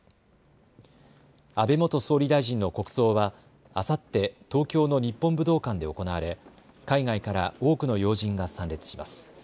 安倍元総理大臣の国葬はあさって東京の日本武道館で行われ海外から多くの要人が参列します。